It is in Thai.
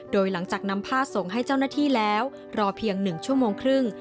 โดยหลังจากนำผ้าส่งให้เจ้าหน้าที่แล้วรอเพียง๑ชั่วโมงครึ่ง